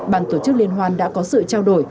bàn tổ chức liên hoan đã có sự trao đổi